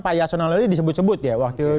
pak yasona loli disebut sebut ya waktu